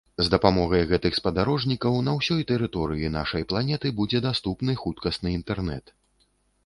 З дапамогай гэтых спадарожнікаў на ўсёй тэрыторыі нашай планеты будзе даступны хуткасны інтэрнэт.